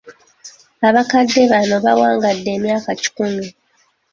Abakadde bano bawangadde emyaka kikumi.